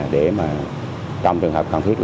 để trong trường hợp cần thiết